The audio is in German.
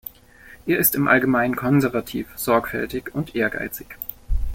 Er ist im Allgemeinen konservativ, sorgfältig und ehrgeizig.